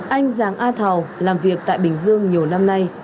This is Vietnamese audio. anh giáng a thảo làm việc tại bình dương nhiều năm nay